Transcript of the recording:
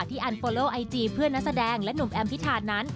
อันโฟโลไอจีเพื่อนนักแสดงและหนุ่มแอมพิธานั้น